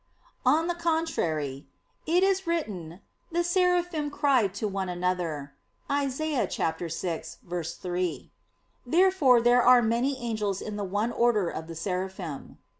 On the contrary, It is written: "The Seraphim cried to one another" (Isa. 6:3). Therefore there are many angels in the one order of the Seraphim.